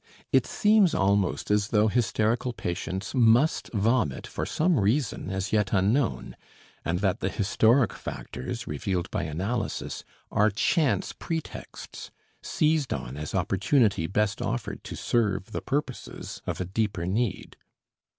It seems almost as though hysterical patients must vomit for some reason as yet unknown, and that the historic factors, revealed by analysis, are chance pretexts, seized on as opportunity best offered to serve the purposes of a deeper need.